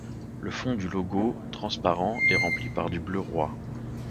Le fond du logo, transparent, est rempli par du bleu roi.